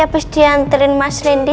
abis diantarin mas rendy